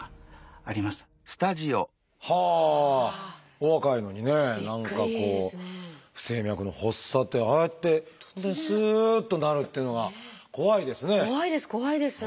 お若いのにね何かこう不整脈の発作ってああやって本当にすっとなるっていうのが怖いですね。